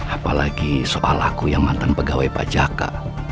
apalagi soal aku yang mantan pegawai pajaka